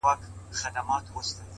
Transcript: صادق انسان آرامه شپه لري؛